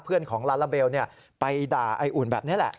เพื่อนของลาลาเบลเนี่ยไปด่าอายอุ่นแบบนี้แหละ